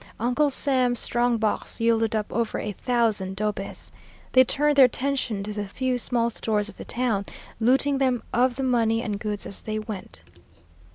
Uncle Sam's strong box yielded up over a thousand dobes. They turned their attention to the few small stores of the town, looting them of the money and goods as they went.